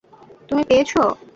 তুমি পেয়েছো?